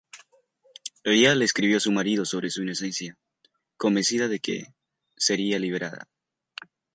Ella le escribió a su marido sobre su inocencia, convencida de que sería liberada.